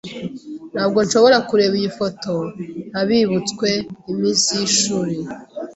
Ntabwo nshobora kureba iyi foto ntabibutswe iminsi yishuri.